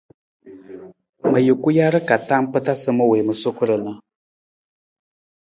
Ma juku jar ka tam mpa ma wii ma suku ra na.